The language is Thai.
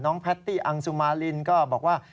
น้องแพทตี้อังซูมาลินก็บอกว่า